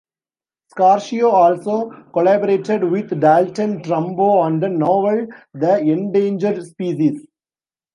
Scortia also collaborated with Dalton Trumbo on the novel The Endangered Species.